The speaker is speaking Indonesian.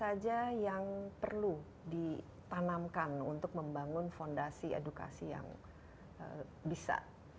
apa saja yang perlu ditanamkan untuk membangun fondasi edukasi yang bisa